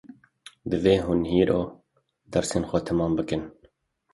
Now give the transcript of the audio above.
Divê hûn îro dersên xwe temam bikin.